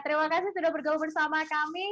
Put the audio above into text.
terima kasih sudah bergabung bersama kami